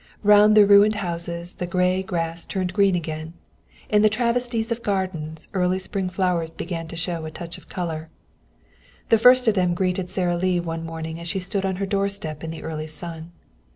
Round the ruined houses the gray grass turned green again, and in travesties of gardens early spring flowers began to show a touch of color. The first of them greeted Sara Lee one morning as she stood on her doorstep in the early sun.